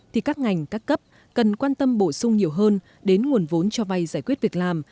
thì các ngành các cấp cần quan tâm bổ sung nhiều hơn đến nguồn vốn cho vay giải quyết việc làm